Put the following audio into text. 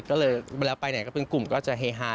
ก็เลยเวลาไปไหนก็เป็นกลุ่มก็จะเฮฮา